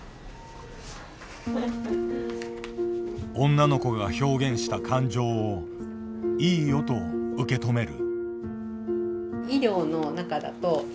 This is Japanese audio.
女の子が表現した感情を「いいよ」と受け止める。